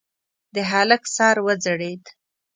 د هلک سر وځړېد.